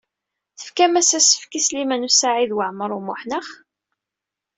Tefkam-as asefk i Sliman U Saɛid Waɛmaṛ U Muḥ, naɣ?